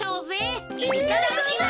いただきます。